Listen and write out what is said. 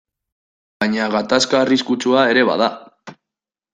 Baina gatazka arriskutsua ere bada.